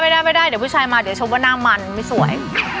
ไม่ได้ไม่ได้เดี๋ยวผู้ชายมาเดี๋ยวชมว่าหน้ามันไม่สวย